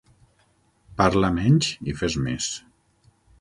Parla menys i fes més!